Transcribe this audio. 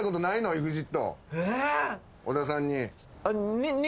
尾田さんに。